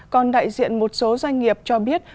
còn đại diện một số doanh nghiệp cho biết